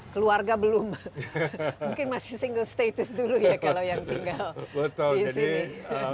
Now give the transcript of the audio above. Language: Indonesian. keluarga belum mungkin masih single status dulu ya kalau yang tinggal di sini